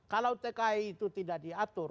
kalau tki itu tidak diatur